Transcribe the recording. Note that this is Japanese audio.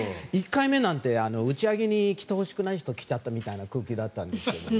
１回目なんて打ち上げに来てほしくない人が来ちゃったみたいな空気だったんですけどね。